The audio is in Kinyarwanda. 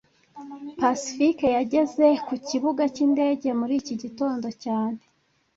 Pacifique yageze ku kibuga cyindege muri iki gitondo cyane